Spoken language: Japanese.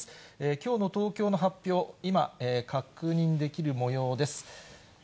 きょうの東京の発表、今、確認できるもようです。